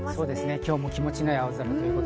今日も気持ちの良い青空です。